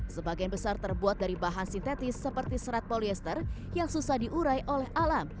sebagian besar terbuat dari bahan sintetis seperti serat polyester yang susah diurai oleh alam